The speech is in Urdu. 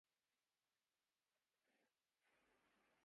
مزید باتیں کرنے کا وقت نہیں تھا